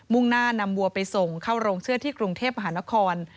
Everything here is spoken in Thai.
่งหน้านำวัวไปส่งเข้าโรงเชื่อที่กรุงเทพมหานคร